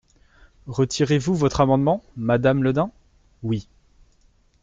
Retirez-vous votre amendement, madame Le Dain ? Oui.